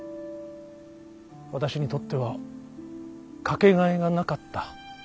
私にとっては掛けがえがなかった。